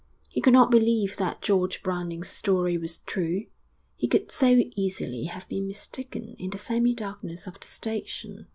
He could not believe that George Browning's story was true, he could so easily have been mistaken in the semi darkness of the station.